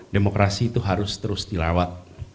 demokrasi itu harus terus dirawat